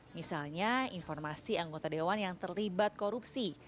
misalnya informasi anggota dewan yang terlibat korupsi